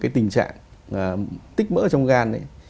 tình trạng tích mỡ trong gan ấy